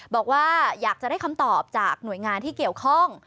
บอกว่าอยากจะได้คำตอบจากหน่วยงานที่เกี่ยวข้อง